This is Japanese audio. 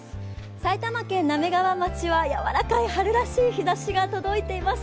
埼玉県滑川町は柔らかい春らしい日ざしが届いています。